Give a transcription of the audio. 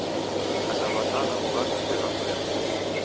Hata w'atalamu w'avikiagha kulemwa.